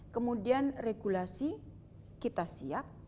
kemudian regulasi kita siap